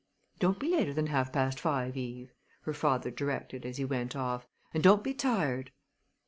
"Don't be later than half past five, Eve," her father directed as he went off, "and don't be tired."